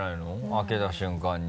開けた瞬間に。